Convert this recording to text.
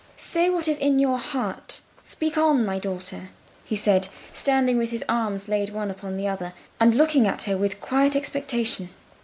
"Say what is in your heart; speak on, my daughter," he said, standing with his arms laid one upon the other, and looking at her with quiet expectation.